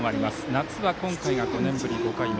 夏は今回が５年ぶり５回目。